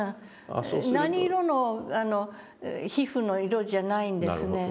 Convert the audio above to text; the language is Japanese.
何色の皮膚の色じゃないんですね。